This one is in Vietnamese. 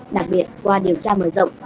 đặc biệt qua điều tra mở rộng